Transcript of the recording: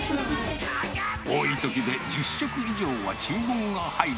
多いときで１０食以上は注文が入る